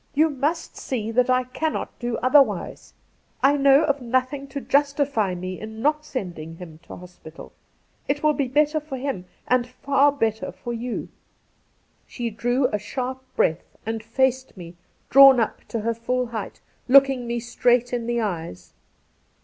You must see that I cannot do otherwise. I know of nothing to justify me in not sending him to hospital. It wiU be better for him, and far better for you.' Cassidy 155 She drew a sharp breath and faced me drawn up to her full height, looking me straight in the eyes.